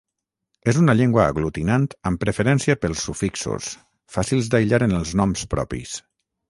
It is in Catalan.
És una llengua aglutinant amb preferència pels sufixos, fàcils d'aïllar en els noms propis.